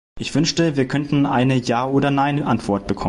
Ich wünschte, wir könnten eine Jaoder Nein-Antwort bekommen.